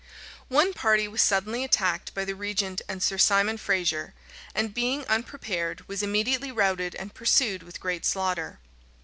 {1303.} One party was suddenly attacked by the regent and Sir Simon Fraser; and being unprepared, was immediately routed and pursued with great slaughter.